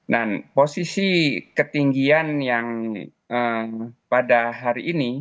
dan posisi ketinggian yang pada hari ini